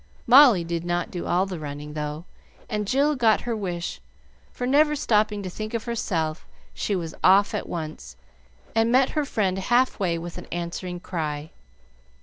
Molly did not do all the running, though, and Jill got her wish, for, never stopping to think of herself, she was off at once, and met her friend half way with an answering cry.